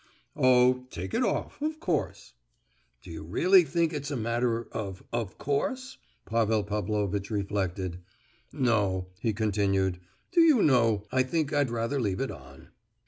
"Oh, take it off, of course." "Do you really think it's a matter of 'of course'?" Pavel Pavlovitch reflected. "No," he continued, "do you know, I think I'd rather leave it on."